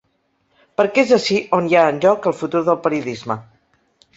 Perquè és ací on hi ha en joc el futur del periodisme.